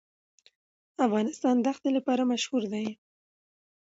افغانستان د ښتې لپاره مشهور دی.